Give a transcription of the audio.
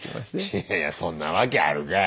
いやいやそんなわけあるかい。